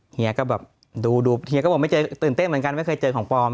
เฮียก็แบบดูเฮียก็บอกไม่เจอตื่นเต้นเหมือนกันไม่เคยเจอของปลอม